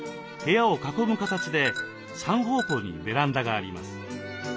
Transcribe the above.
部屋を囲む形で３方向にベランダがあります。